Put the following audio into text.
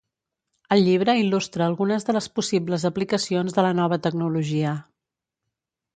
El llibre il·lustra algunes de les possibles aplicacions de la nova tecnologia.